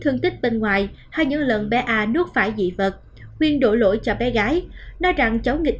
vấn đề bên ngoài hay những lần bé a nuốt phải dị vật huyền đổ lỗi cho bé gái nói rằng cháu nghịch